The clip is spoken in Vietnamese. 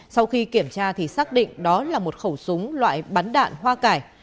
sau khi kiểm tra thì xác định đó là một khẩu súng loại bắn đạn hoa cải